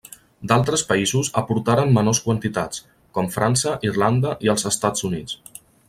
D'altres països aportaren menors quantitats, com França, Irlanda i els Estats Units.